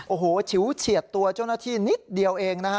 โอ้โหฉิวเฉียดตัวเจ้าหน้าที่นิดเดียวเองนะฮะ